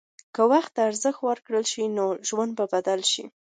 که وخت ته ارزښت ورکړل شي، نو ژوند به بدل شي.